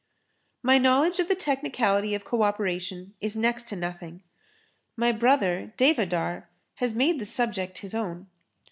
My knowledge of the technicality of co operation is next to nothing. My brother, Devadhar, has made the subject his own.